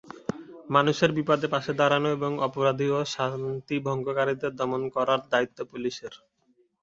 মানুষের বিপদে পাশে দাঁড়ানো এবং অপরাধী ও শান্তিভঙ্গকারীদের দমন করার দায়িত্ব পুলিশের।